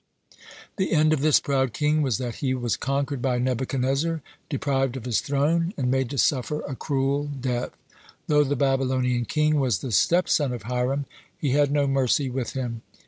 The end of this proud king was that he was conquered by Nebuchadnezzar, deprived of this throne, and made to suffer a cruel death. Though the Babylonian king was the step son of Hiram, he had no mercy with him.